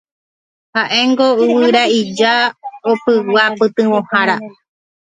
Haʼéngo yvyraʼija opygua pytyvõhára.